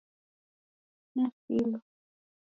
Nasilwa.